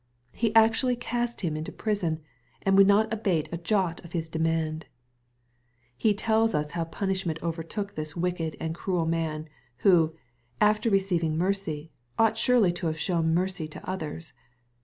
He actually cast him into prison, and would not abate a jot of his demand. Ho tells us how punishment overtook this wicked and MATTHEW, CHAP. XVIU. 231 cruel man, who, after receiving mercy, ought surely to have shown mercy to others.